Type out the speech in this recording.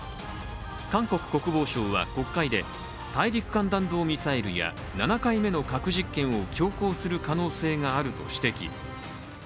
韓国国防省は国会で大陸間弾道ミサイルや７回目の核実験を強行する可能性があると指摘。